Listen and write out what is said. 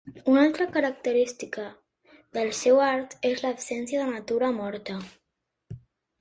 Una altra característica del seu art és l'absència de natura morta.